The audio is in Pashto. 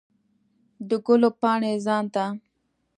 د ګلو پاڼې ځان ته